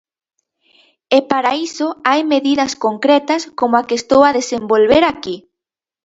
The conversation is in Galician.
E para iso hai medidas concretas como a que estou a desenvolver aquí.